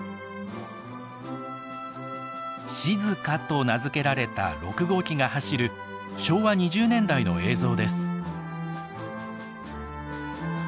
「しづか」と名付けられた６号機が走る昭和２０年代の映像です。